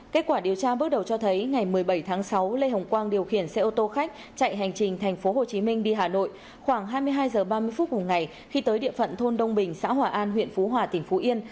kết quả điều tra bước đầu cho thấy ngày một mươi bảy tháng sáu lê hồng quang điều khiển xe ô tô khách chạy hành trình tp hcm đi hà nội khoảng hai mươi hai h ba mươi phút cùng ngày khi tới địa phận thôn đông bình xã hòa an huyện phú hòa tỉnh phú yên